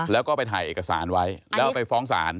แล้วก็ไปถ่ายเอกสารไว้แล้วไปฟ้องศาล